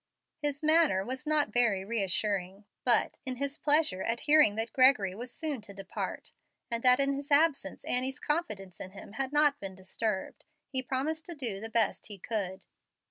His manner was not very reassuring, but, in his pleasure at hearing that Gregory was soon to depart, and that in his absence Annie's confidence in him had not been disturbed, he promised to do the best he could.